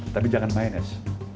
tapi jangan minus